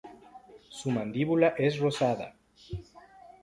Su mandíbula es rosada.